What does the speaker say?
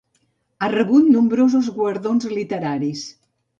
Ha rebut nombrosos guardons literaris.